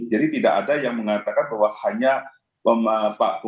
jadi tidak ada yang mengatakan bahwa hanya pak bung karno